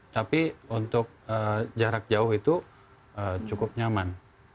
tapi untuk jarak jauh itu cukup nyaman